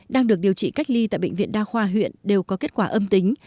đang được điều trị cách ly tại bệnh viện đa khoa huyện đều có kết quả âm tính